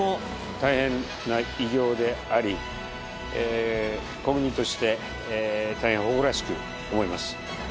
大変な偉業であり、国民として大変誇らしく思います。